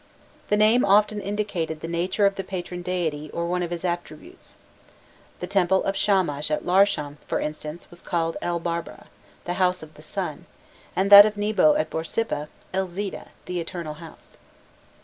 The name often indicated the nature of the patron deity or one of his attributes: the temple of Shamash at Larsam, for instance was called E Babbara, "the house of the sun," and that of Nebo at Borsippa, E Zida, "the eternal house."